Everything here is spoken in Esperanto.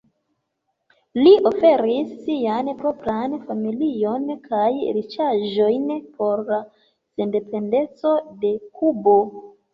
Li oferis sian propran familion kaj riĉaĵojn por la sendependeco de Kubo.